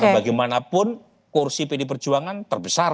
karena bagaimanapun kursi pdi perjuangan terbesar